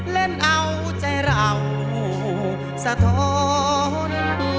เล่นเอาใจเราสะท้อน